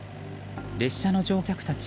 列車の乗客たち